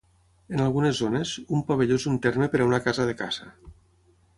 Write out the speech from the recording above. En algunes zones, un pavelló és un terme per a una casa de caça.